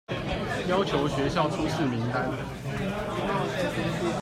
要求學校出示名單